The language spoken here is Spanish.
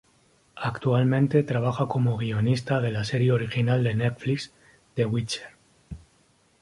Actualmente trabaja como guionista de la serie original de Netflix, "The Witcher".